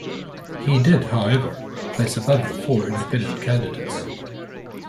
He did, however, place above the four independent candidates.